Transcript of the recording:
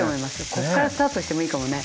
こっからスタートしてもいいかもね。